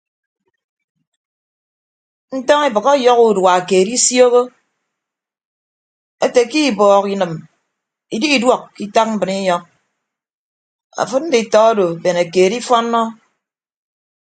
Ntọñ ebʌk ọyọhọ udua keed isioho ete ke ibọọk inịm ididuọk ke itak mbrinyọñ afịd nditọ odo bene keed ifọnnọ.